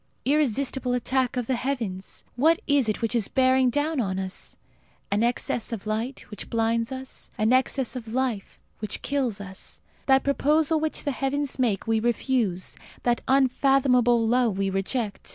Irresistible attack of the heavens! What is it which is bearing down on us? An excess of light, which blinds us; an excess of life, which kills us. That proposal which the heavens make we refuse; that unfathomable love we reject.